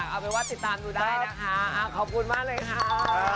เอาเป็นว่าติดตามดูได้นะคะขอบคุณมากเลยค่ะ